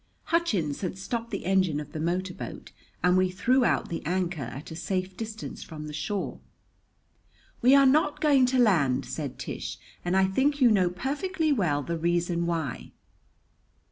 Hutchins had stopped the engine of the motor boat and we threw out the anchor at a safe distance from the shore. "We are not going to land," said Tish, "and I think you know perfectly well the reason why."